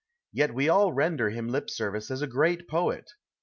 Yet we all render him lip service as u great poet.